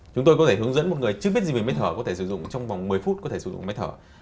chúng tôi có thể hướng dẫn một người chứ biết gì về máy thở có thể sử dụng trong vòng một mươi phút có thể sử dụng máy thở